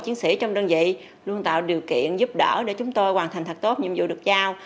chị em các bộ chiến sĩ trong đơn vị luôn tạo điều kiện giúp đỡ để chúng tôi hoàn thành thật tốt nhiệm vụ được giao